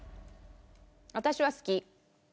私は好き。